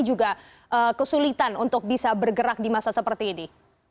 juga kesulitan untuk bisa bergerak di masa seperti ini